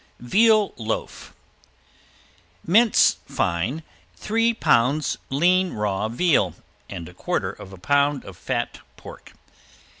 ~VEAL LOAF~ Mince fine three pounds lean raw veal and a quarter of a pound of fat pork.